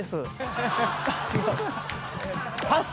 パス。